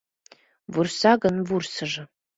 Вурса гын... вурсыжо!